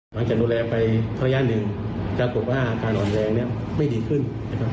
หลังจากดูแลไปพระยาทนึงจากปรุงว่าการอ่อนแรงไม่ดีขึ้น